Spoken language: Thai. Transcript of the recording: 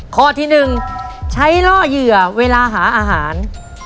ข้อที่๑ใช้ล่อเหยื่อเวลาหาอาหาร